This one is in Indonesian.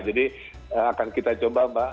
jadi akan kita coba mbak